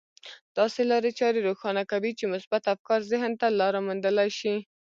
داسې لارې چارې روښانه کوي چې مثبت افکار ذهن ته لاره موندلای شي.